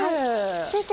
先生